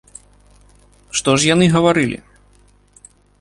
Што ж яны гаварылі?